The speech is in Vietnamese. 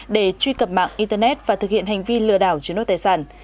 để truy cập mạng internet và thực hiện hành vi lừa đảo chiếm đoạt tài sản